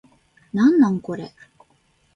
なんなんこれ